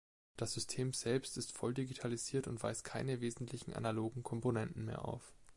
Das System selbst ist voll digitalisiert und weist keine wesentlichen analogen Komponenten mehr auf.